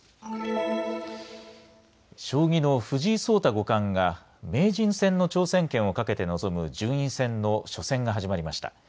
将棋の藤井聡太五冠が名人戦の挑戦権をかけて臨む順位戦の初戦が始まりました。